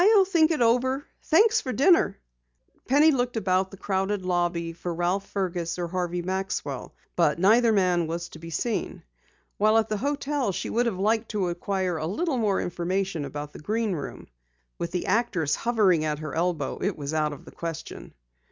"I'll think it over. Thanks for the dinner." Penny looked about the crowded lobby for Ralph Fergus or Harvey Maxwell, but neither man was to be seen. While at the hotel she would have liked to acquire a little more information about the Green Room. With the actress hovering at her elbow it was out of the question.